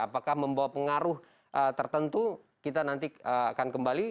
apakah membawa pengaruh tertentu kita nanti akan kembali